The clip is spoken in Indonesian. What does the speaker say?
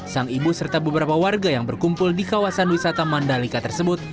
sang ibu serta beberapa warga yang berkumpul di kawasan wisata mandalika tersebut